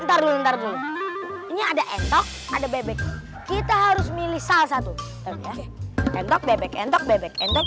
ntar dulu ntar dulu ini ada entok ada bebek kita harus milih salah satu tapi entok bebek entok bebek entok